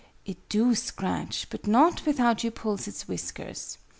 "It do scratch, but not without you pulls its whiskers!